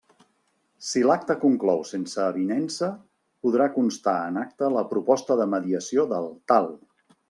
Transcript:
Si l'acte conclou sense avinença, podrà constar en acta la proposta de mediació del TAL.